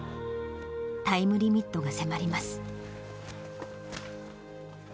タイムリミットが迫ります。